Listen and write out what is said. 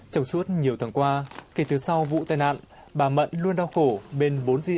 trong suốt nhiều tháng qua kể từ sau vụ tai nạn bà mận luôn đau khổ bên bốn di tích